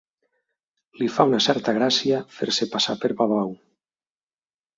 Li fa una certa gràcia fer-se passar per babau.